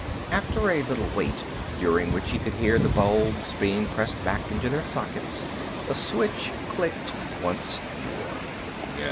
After a little wait, during which he could hear the bulbs being pressed back into their sockets, the switch clicked once more.